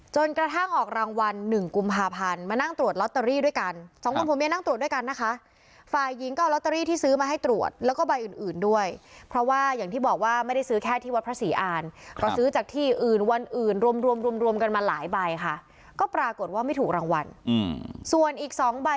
จนกระทั่งออกรางวัลหนึ่งกุมภาพันธ์มานั่งตรวจลอตเตอรี่ด้วยกันสองคนผัวเมียนั่งตรวจด้วยกันนะคะฝ่ายหญิงก็เอาลอตเตอรี่ที่ซื้อมาให้ตรวจแล้วก็ใบอื่นอื่นด้วยเพราะว่าอย่างที่บอกว่าไม่ได้ซื้อแค่ที่วัดพระศรีอ่านก็ซื้อจากที่อื่นวันอื่นรวมรวมกันมาหลายใบค่ะก็ปรากฏว่าไม่ถูกรางวัลส่วนอีกสองใบ